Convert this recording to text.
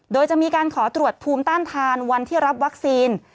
โดยจะมีการขอตรวจภูมิต้านทานวันที่รับวัคซีน